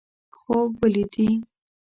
خوب ولیدي.